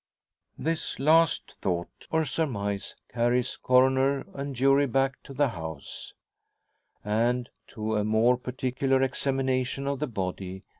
This last thought, or surmise, carries Coroner and jury back to the house, and to a more particular examination of the body.